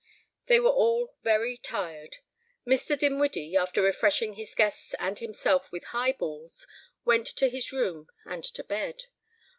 They were all very tired. Mr. Dinwiddie, after refreshing his guests and himself with highballs, went to his room and to bed.